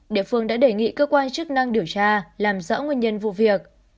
địa phương đã đề nghị cơ quan chức năng điều tra làm rõ nguyên nhân vụ việc